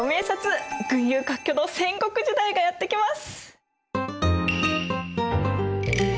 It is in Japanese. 群雄割拠の戦国時代がやって来ます！